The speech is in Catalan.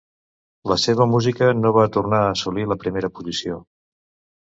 La seva música no va tornar a assolir la primera posició.